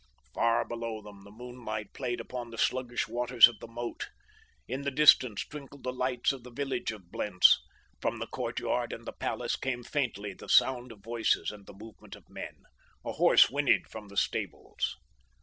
Far below them the moonlight played upon the sluggish waters of the moat. In the distance twinkled the lights of the village of Blentz. From the courtyard and the palace came faintly the sound of voices, and the movement of men. A horse whinnied from the stables.